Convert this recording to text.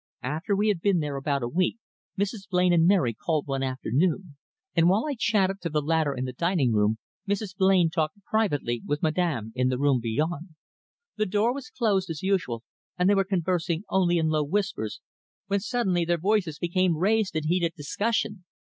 After we had been there about a week Mrs. Blain and Mary called one afternoon, and while I chatted to the latter in the dining room, Mrs. Blain talked privately with Madame in the room beyond. The door was closed, as usual, and they were conversing only in low whispers, when suddenly their voices became raised in heated discussion.